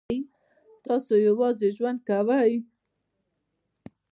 تاسو یوازې ژوند کوئ؟